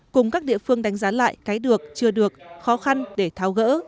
cùng các địa phương đánh giá lại cái được chưa được khó khăn để tháo gỡ